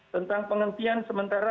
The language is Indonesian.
tentang penghentian sementara